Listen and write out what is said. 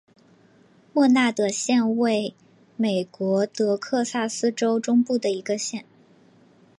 默纳德县位美国德克萨斯州中部的一个县。